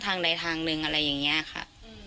ทางใดทางหนึ่งอะไรอย่างนี้ค่ะ